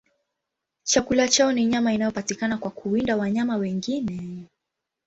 Chakula chao ni nyama inayopatikana kwa kuwinda wanyama wengine.